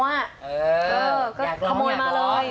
อยากล้องใหญ่ก่อน